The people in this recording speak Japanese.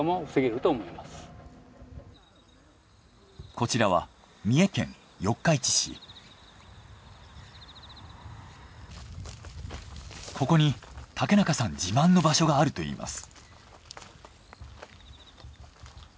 こちらはここに竹中さん自慢の場所があるといいます。